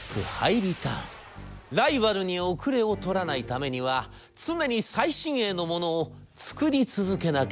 「ライバルに後れを取らないためには常に最新鋭のものを作り続けなければならない。